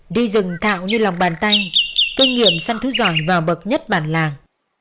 đi rừng thạo như lòng bàn tay kinh nghiệm săn thứ giỏi và bậc nhất bản làng